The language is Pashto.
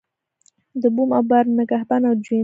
د بوم او بر نگهبان او جوینده دی.